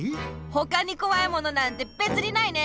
ほかにこわいものなんてべつにないね！